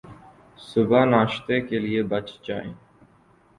صبح ناشتے کے لئے بچ جائیں